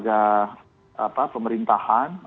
ya seperti biasa ya pelantikan lembaga